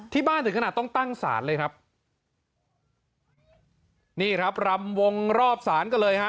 ถึงขนาดต้องตั้งศาลเลยครับนี่ครับรำวงรอบศาลกันเลยฮะ